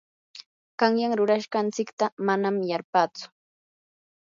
qanyan rurashqanchikta manam yarpatsu.